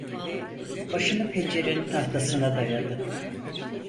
Başını pencerenin tahtasına dayadı.